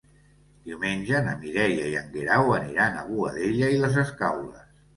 Diumenge na Mireia i en Guerau aniran a Boadella i les Escaules.